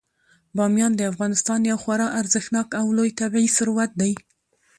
بامیان د افغانستان یو خورا ارزښتناک او لوی طبعي ثروت دی.